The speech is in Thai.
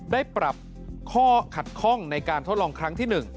ได้ปรับข้อขัดข้องในการทดลองครั้งที่๑